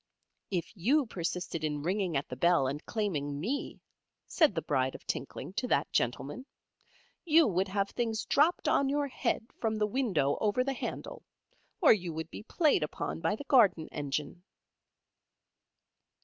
"If you persisted in ringing at the bell and claiming Me," said the Bride of Tinkling to that gentleman, "you would have things dropped on your head from the window over the handle, or you would be played upon by the garden engine."